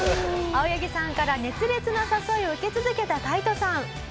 青柳さんから熱烈な誘いを受け続けたタイトさん。